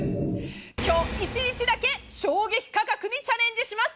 今日１日だけ衝撃価格にチャレンジします。